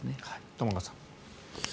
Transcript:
玉川さん。